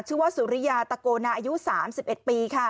ชื่อว่าสุริยาตะโกนาอายุ๓๑ปีค่ะ